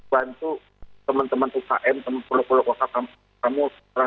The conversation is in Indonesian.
bantu teman teman ukm teman teman produk produk